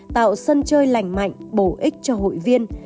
tạo sân chơi lành mạnh bổ ích cho hội viên